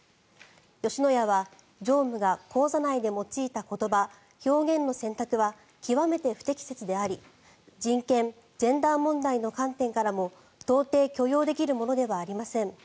吉野家は常務が講座内で用いた言葉表現の選択は極めて不適切であり人権・ジェンダー問題の観点からも到底許容できるものではありません。